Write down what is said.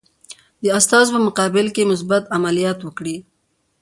د استازو په مقابل کې مثبت عملیات وکړي.